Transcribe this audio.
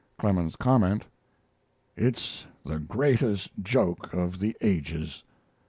Clemens's comment: "It's the greatest joke of the ages."